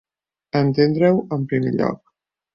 Entendre-ho en primer lloc.